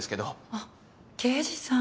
あっ刑事さん。